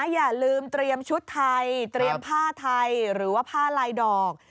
อย่าลืมเตรียมชุดไทยเตรียมผ้าไทยหรือว่าผ้าลายดอก